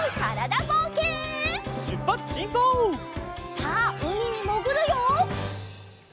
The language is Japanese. さあうみにもぐるよ！